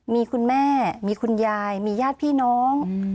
มีคุณแม่มีคุณยายมีญาติพี่น้อง